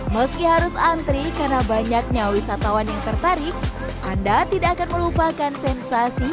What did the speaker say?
meski harus antri karena banyaknya wisatawan yang tertarik anda tidak akan melupakan sensasi